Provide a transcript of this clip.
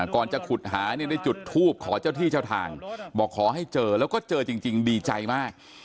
ก่อนจะขุดหาเนี่ยได้จุดทูบขอเจ้าที่เจ้าทางบอกขอให้เจอแล้วก็เจอจริงดีใจมาก